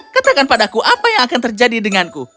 katakan padaku apa yang akan terjadi denganku